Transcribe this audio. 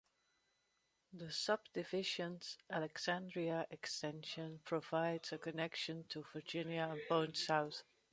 The subdivision's Alexandria Extension provides a connection to Virginia and points south.